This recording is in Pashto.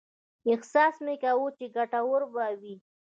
احساس مې کاوه چې ګټوره به وي.